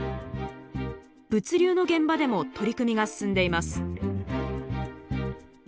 物流の現場でも取り組みが進んでいます。